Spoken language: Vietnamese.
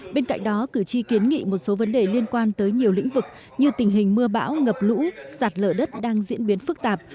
bên cạnh đó cử tri kiến nghị một số vấn đề liên quan tới nhiều lĩnh vực như tình hình mưa bão ngập lũ sạt lở đất đang diễn biến phức tạp